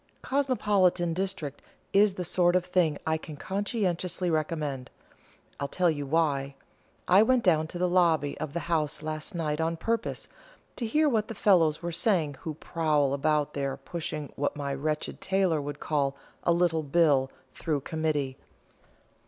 'Cosmopolitan district' is the sort of thing I can conscientiously recommend I'll tell you why: I went down to the lobby of the House last night on purpose to hear what the fellows were saying who prowl about there pushing what my wretched tailor would call 'a little bill' through Committee.